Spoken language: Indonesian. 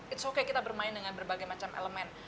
it's okay kita bermain dengan berbagai macam elemen